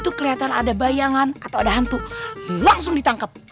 itu kelihatan ada bayangan atau ada hantu langsung ditangkap